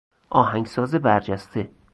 آهنگساز برجسته